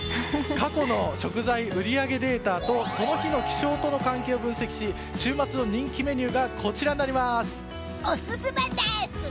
過去の食材売り上げデータとその日の気象との関係を分析し分析した週末の人気メニューがこちらです。